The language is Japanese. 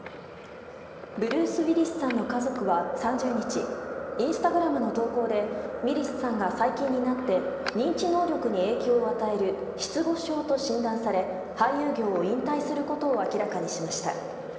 ブルース・ウィリスさんの家族は３０日インスタグラムの投稿でウィリスさんが最近になって認知能力に影響を与える失語症と診断され俳優業を引退することを明らかにしました。